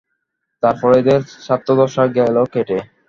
তার পরে এদের ছাত্রদশা গেল কেটে।